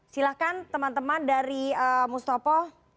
silahkan teman teman dari mustopo